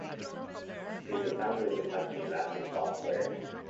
He is the founder of the company Massive Software.